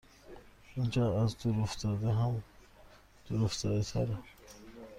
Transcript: اینجااز دور افتاده هم دور افتاده تره